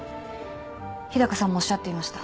日高さんもおっしゃっていました。